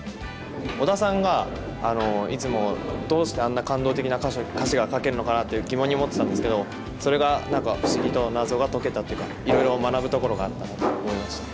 小田さんがいつもどうしてあんな感動的な歌詞が書けるのかなって疑問に思ってたんですけどそれが何か不思議と謎が解けたっていうかいろいろ学ぶところがあったなと思いました。